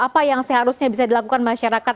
apa yang seharusnya bisa dilakukan masyarakat